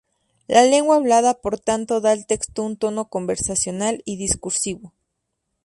La lengua hablada por tanto da al texto un tono conversacional y discursivo.